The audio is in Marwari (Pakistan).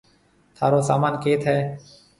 ٿارو سامان ڪيٿ هيَ۔